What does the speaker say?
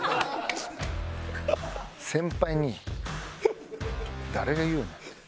先輩に誰が言うねん。